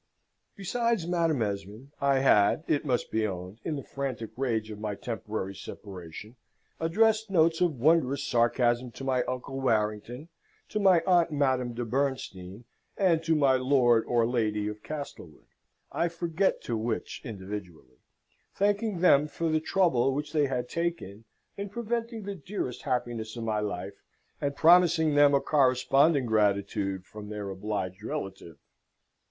Besides Madam Esmond I had, it must be owned, in the frantic rage of my temporary separation, addressed notes of wondrous sarcasm to my Uncle Warrington, to my Aunt Madame de Bernstein, and to my Lord or Lady of Castlewood (I forget to which individually), thanking them for the trouble which they had taken in preventing the dearest happiness of my life, and promising them a corresponding gratitude from their obliged relative.